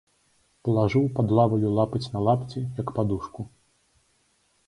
Палажыў пад лаваю лапаць на лапці, як падушку.